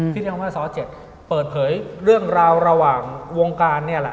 ที่เรียกว่าซ้อ๗เปิดเผยเรื่องราวระหว่างวงการเนี่ยแหละ